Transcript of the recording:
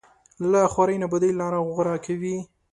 له خوارۍ نابودۍ لاره غوره کوي